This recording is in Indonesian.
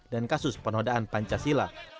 dan kasus penodaan pancasila